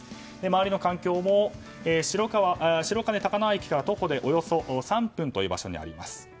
周りの環境も、白金高輪駅から徒歩でおよそ３分という場所にあります。